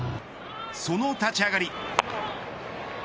その立ち上がり。